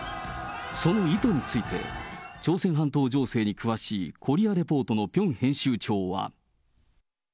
その意図について、朝鮮半島情勢に詳しいコリア・レポートのピョン編集長は。